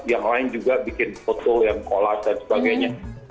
yang lain juga bikin foto yang kolas dan sebagainya